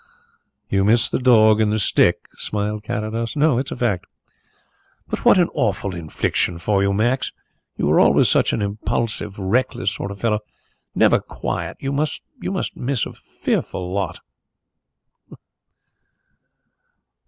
"You miss the dog and the stick?" smiled Carrados. "No; it's a fact." "What an awful affliction for you, Max. You were always such an impulsive, reckless sort of fellow never quiet. You must miss such a fearful lot."